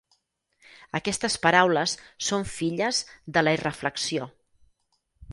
Aquestes paraules són filles de la irreflexió.